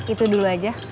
itu dulu aja